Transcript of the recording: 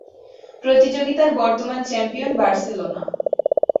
প্রতিযোগিতার বর্তমান champion Barcelona.